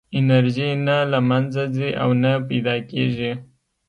انرژي نه له منځه ځي او نه پیدا کېږي.